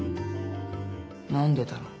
何でだろう？